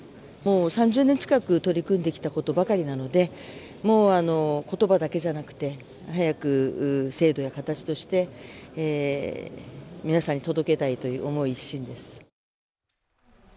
３０年近く取り組んできたことばかりなので、もう言葉だけじゃなくて、早く制度や形として皆さんに届けたいという思い一心です。